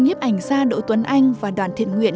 nhiếp ảnh gia đỗ tuấn anh và đoàn thiện nguyện